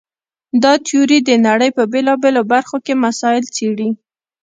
دا تیوري د نړۍ په بېلابېلو برخو کې مسایل څېړي.